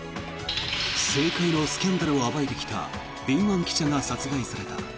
政界のスキャンダルを暴いてきた敏腕記者が殺害された。